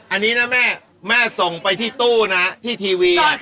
อันนี้นะแม่แม่ส่งไปที่ตู้นะที่ทีวี